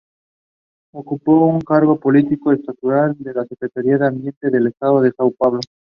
Ocupó un cargo político estadual, como Secretaria de Ambiente, del estado de São Paulo.